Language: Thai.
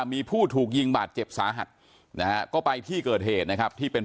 มีผู้ถูกยิงบาดเจ็บสาหัสนะฮะก็ไปที่เกิดเหตุนะครับที่เป็น